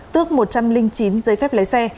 tước một trăm linh chín giấy phép lấy xe